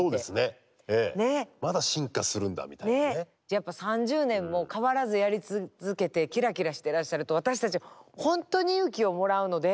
やっぱ３０年も変わらずやり続けてキラキラしてらっしゃると私たちほんとに勇気をもらうので。